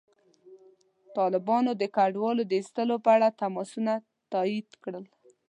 طالبانو د کډوالو د ایستلو په اړه تماسونه تایید کړل.